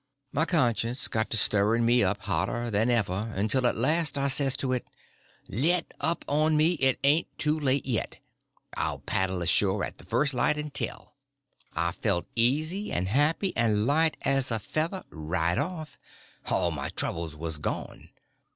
My conscience got to stirring me up hotter than ever, until at last I says to it, "Let up on me—it ain't too late yet—I'll paddle ashore at the first light and tell." I felt easy and happy and light as a feather right off. All my troubles was gone.